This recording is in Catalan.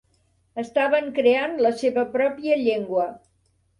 Estaven creant la seva pròpia llengua.